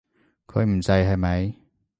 佢唔制，係咪？